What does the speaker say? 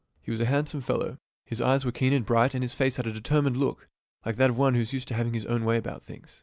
He was a handsome fellow. His eyes were keen and bright, and his face had a determined look, like that of one who is used to having his own way about things.